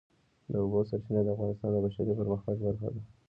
د اوبو سرچینې د افغانستان د بشري فرهنګ برخه ده.